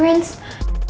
tangan lo kenapa